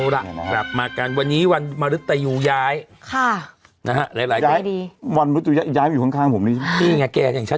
ไล่การนี้ว่า๗ปีค่ะ